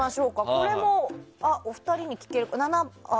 これもお二人に聞けるかな。